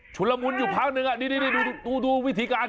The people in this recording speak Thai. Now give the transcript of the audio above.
ชุระมุนอยู่ภาคหนึ่งนี่ดูวิธีการ